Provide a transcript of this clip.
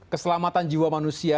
keselamatan jiwa manusia